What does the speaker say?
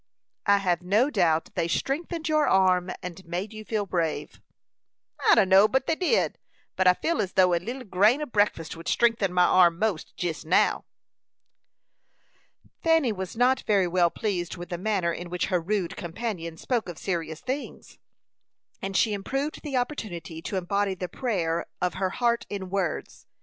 "I have no doubt they strengthened your arm, and made you feel brave." "I dunno but they did; but I feel as though a leetle grain o' breakfast would strengthen my arm most jest now." Fanny was not very well pleased with the manner in which her rude companion spoke of serious things, and she improved the opportunity to embody the prayer of her heart in words.